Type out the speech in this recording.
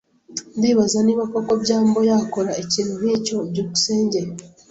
Ndibaza niba koko byambo yakora ikintu nkicyo. byukusenge